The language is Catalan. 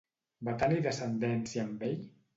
Va tenir descendència amb ell?